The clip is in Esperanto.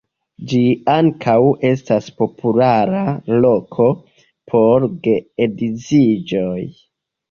Ĝi ankaŭ estas populara loko por geedziĝoj.